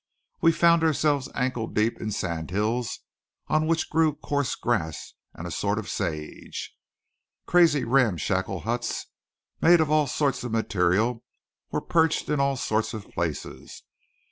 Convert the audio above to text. We found ourselves ankle deep in sandhills on which grew coarse grass and a sort of sage. Crazy, ramshackle huts made of all sorts of material were perched in all sorts of places.